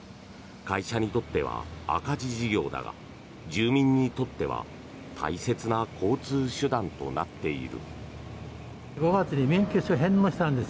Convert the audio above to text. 会社にとっては赤字事業だが住民にとっては大切な交通手段となっている。